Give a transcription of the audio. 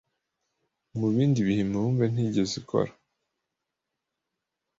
Mu bindi bihe imibumbe ntiyigeze ikora: